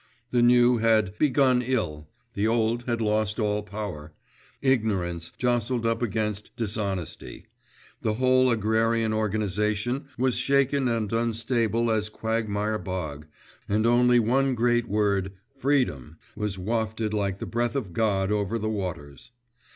The new had 'begun ill,' the old had lost all power; ignorance jostled up against dishonesty; the whole agrarian organisation was shaken and unstable as quagmire bog, and only one great word, 'freedom,' was wafted like the breath of God over the waters.